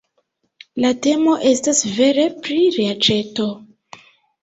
La temo estas vere pri reaĉeto!